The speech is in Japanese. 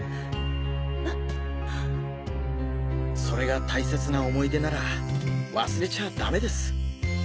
それが大切な思い出なら忘れちゃダメです。